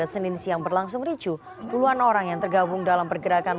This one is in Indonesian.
memperlangsung ricu puluhan orang yang tergabung dalam pergerakan